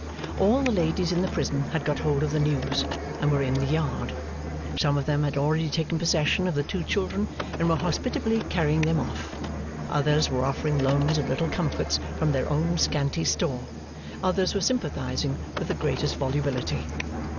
All the ladies in the prison had got hold of the news, and were in the yard. Some of them had already taken possession of the two children, and were hospitably carrying them off; others were offering loans of little comforts from their own scanty store; others were sympathising with the greatest volubility.